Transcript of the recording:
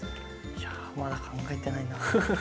いやー、まだ考えてないな。